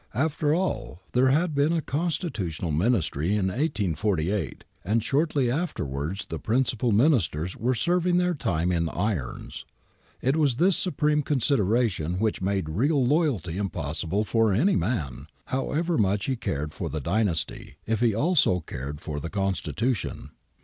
After all, there had been a Constitu tional Ministry in 1848, and shortly afterwards the prin cipal Ministers were serving their time in irons. It was this supreme consideration which made real loyalty im possible for any man, however much he cared for the dynasty, if he also cared for the Constitution.